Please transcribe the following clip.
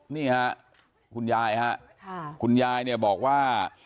นี่ฮะคุณยายฮะคุณยายเนี่ยบอกว่า